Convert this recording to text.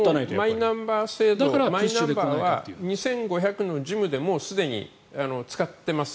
マイナンバー制度マイナンバーは２５００の事務でもうすでに使っています。